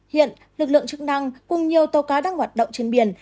hiện lực lượng chức năng cùng nhiều tàu cá đang hoạt động trên biển